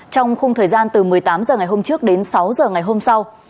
trong khung thời gian từ một mươi tám giờ ngày hôm trước đến sáu giờ ngày hôm sau